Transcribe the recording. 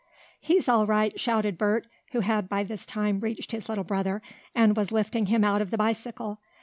"He's all right!" shouted Bert, who had, by this time, reached his little brother, and was lifting him out of the bicycle.